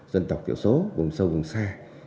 dân tộc tiểu số vùng sâu vùng xa